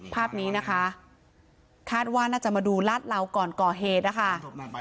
ภาพนี้นะคะคาดว่าน่าจะมาดูลาดเหลาก่อนก่อเหตุนะคะ